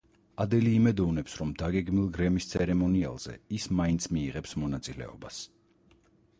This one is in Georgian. ადელი იმედოვნებს, რომ დაგეგმილ გრემის ცერემონიალზე ის მაინც მიიღებს მონაწილეობას.